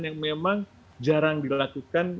yang memang jarang dilakukan